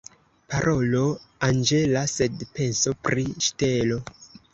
Parolo anĝela, sed penso pri ŝtelo.